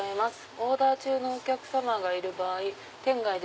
オーダー中のお客様がいる場合店外で